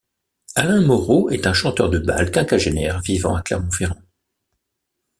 Alain Moreau est un chanteur de bal quinquagénaire vivant à Clermont-Ferrand.